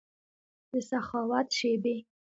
دسخاوت شیبې